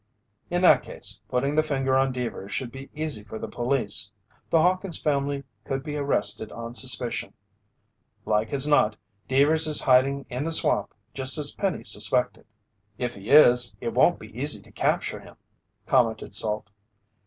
"In that case, putting the finger on Deevers should be easy for the police. The Hawkins family could be arrested on suspicion. Like as not, Deevers is hiding in the swamp just as Penny suspected!" "If he is, it won't be easy to capture him," commented Salt.